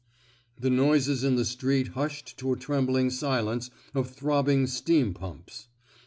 " The noises in the street hushed to a trembling silence of throbbing steam pumps.